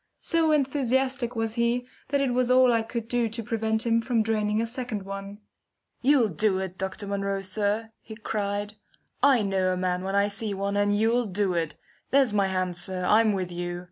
So enthusiastic was he that it was all I could do to prevent him from draining a second one. "You'll do it, Dr. Munro, sir!" he cried. "I know a man when I see one, and you'll do it. There's my hand, sir! I'm with you!